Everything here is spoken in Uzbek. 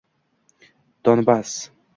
Donbass